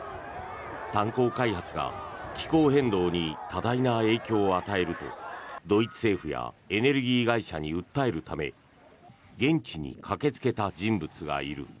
炭鉱開発が気候変動に多大な影響を与えるとドイツ政府やエネルギー会社に訴えるため現地に駆けつけた人物がいる。